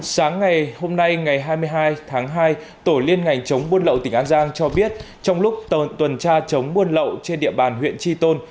sáng ngày hôm nay ngày hai mươi hai tháng hai tổ liên ngành chống buôn lậu tỉnh an giang cho biết trong lúc tuần tra chống buôn lậu trên địa bàn huyện tri tôn